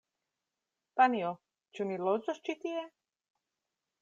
Panjo, ĉu ni loĝos ĉi tie?